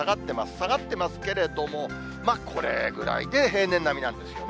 下がってますけれども、これぐらいで平年並みなんですよね。